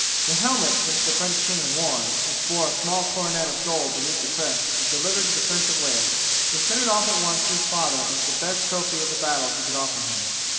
The helmet which the French king had worn, which bore a small coronet of gold beneath the crest, was delivered to the Prince of Wales, who sent it off at once to his father as the best trophy of the battle he could offer him.